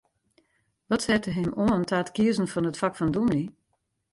Wat sette him oan ta it kiezen fan it fak fan dûmny?